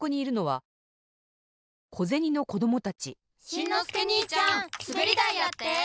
しんのすけにいちゃんすべりだいやって！